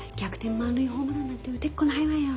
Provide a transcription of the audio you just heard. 満塁ホームランなんて打てっこないわよ。